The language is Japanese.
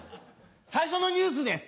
最初のニュースです。